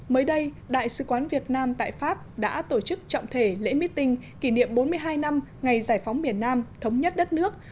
mới đây đại sứ quán việt nam tại pháp đã tổ chức trọng thể lễ meeting kỷ niệm bốn mươi hai năm ngày giải phóng miền nam thống nhất đất nước